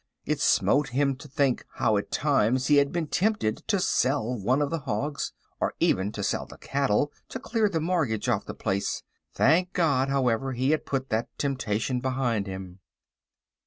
It smote him to think how at times he had been tempted to sell one of the hogs, or even to sell the cattle to clear the mortgage off the place. Thank God, however, he had put that temptation behind him.